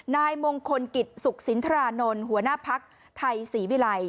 นายมงคลกิจสุขสินทรานนท์หัวหน้าภักดิ์ไทยศรีวิลัย